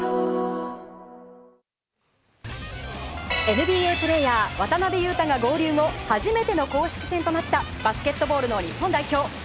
ＮＢＡプレーヤー渡邊雄太が合流後初めての公式戦となったバスケットボールの日本代表。